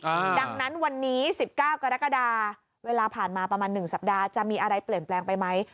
ดังนั้นวันนี้สิบเก้ากรกฎาเวลาผ่านมาประมาณหนึ่งสัปดาห์จะมีอะไรเปลี่ยนแปลงไปไหม